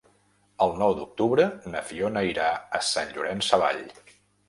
El nou d'octubre na Fiona irà a Sant Llorenç Savall.